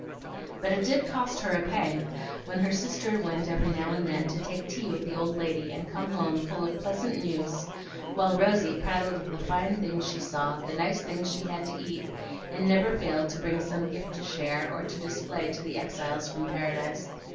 But it did cost her a pang when her sister went every now and then to take tea with the old lady and came home full of pleasant news; while Rosy prattled of the fine things she saw, the nice things she had to eat, and never failed to bring some gift to share, or to display to the exiles from Paradise.